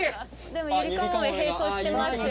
でもゆりかもめ並走してますよ。